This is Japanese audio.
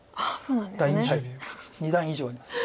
大体二段以上あります。